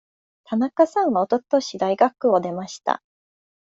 田中さんはおととし大学を出ました。